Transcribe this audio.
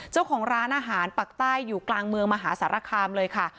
เจ้าของร้านอาหารปักใต้อยู่กลางเมืองมหาสารคามเลยค่ะ